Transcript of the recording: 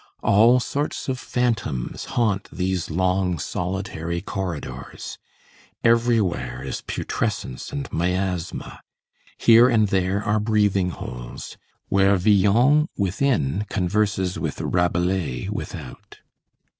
All sorts of phantoms haunt these long, solitary corridors; everywhere is putrescence and miasma; here and there are breathing holes, where Villon within converses with Rabelais without.